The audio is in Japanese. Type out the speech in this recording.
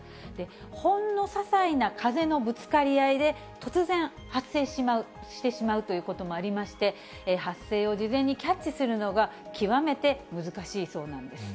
ほんのささいな風のぶつかり合いで、突然、発生してしまうということもありまして、発生を事前にキャッチするのが極めて難しいそうなんです。